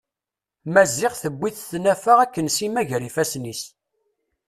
Maziɣ tewwi-t tnafa akken Sima gar yifasen-is.